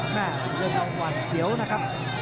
แม่เล่นต้องกว่าเสียวนะครับ